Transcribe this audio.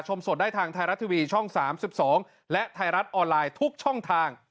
ชมสดได้ทางไทยรัฐทีวีช่อง๓๒และไทยรัฐออนไลน์ทุกช่องทาง